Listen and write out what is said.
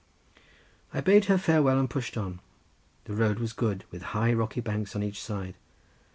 I bade her farewell and pushed on—the road was good, with high rocky banks on each side.